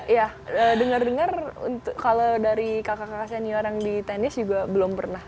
iya dengar dengar kalau dari kakak kakak senior yang di tenis juga belum pernah